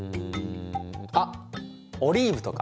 あっオリーブとか！